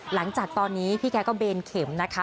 หลังจากตอนนี้พี่แกก็เบนเข็มนะคะ